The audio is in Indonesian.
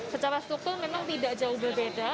secara struktur memang tidak jauh berbeda